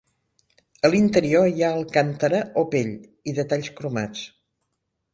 A l'interior hi ha Alcantara o pell, i detalls cromats.